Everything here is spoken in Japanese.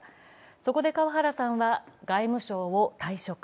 そこで川原さんは外務省を退職。